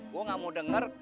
gue nggak mau denger